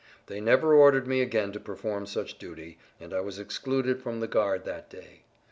They never ordered me again to perform such duty, and I was excluded from the guard that day.